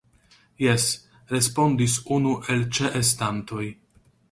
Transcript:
Jes, respondis unu el ĉeestantoj.